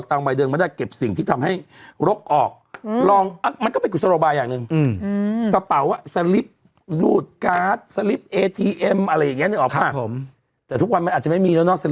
ถูกต้องเดินมาทักเองต้องหมอรักต้องมาทักเอง